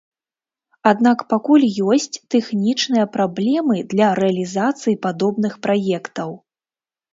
Аднак пакуль ёсць тэхнічныя праблемы для рэалізацыі падобных праектаў.